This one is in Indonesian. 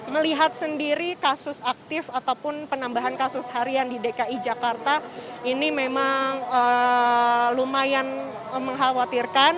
melihat sendiri kasus aktif ataupun penambahan kasus harian di dki jakarta ini memang lumayan mengkhawatirkan